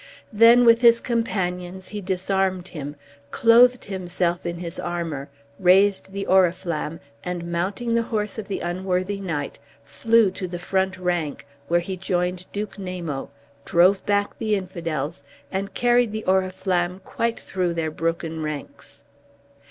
Then, with his companions, he disarmed him, clothed himself in his armor, raised the Oriflamme, and mounting the horse of the unworthy knight, flew to the front rank, where he joined Duke Namo, drove back the Infidels, and carried the Oriflamme quite through their broken ranks.